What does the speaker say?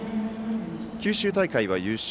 九州大会は優勝。